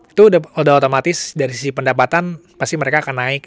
itu udah otomatis dari sisi pendapatan pasti mereka akan naik